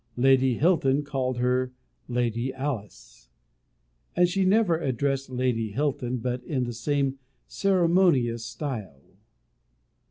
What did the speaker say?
Lady Hilton called her Lady Alice; and she never addressed Lady Hilton but in the same ceremonious style.